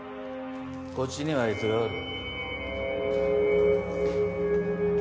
こっちにはあいつがおる。